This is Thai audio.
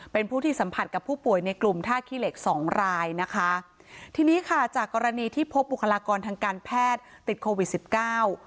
เป็นผู้ที่สัมผัสกับผู้ป่วยในกลุ่มท่าขี้เหล็กสองรายนะคะทีนี้ค่ะจากกรณีที่พบบุคลากรทางการแพทย์ติดโควิดสิบเก้า